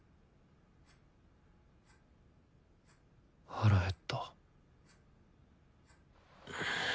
腹減った。